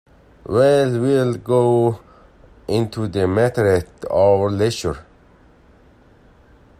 Well, we’ll go into the matter at our leisure.